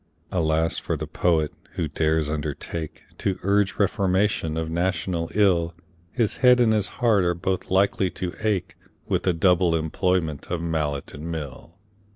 Alas for the Poet, who dares undertake To urge reformation of national ill! His head and his heart are both likely to ache With the double employment of mallet and mill.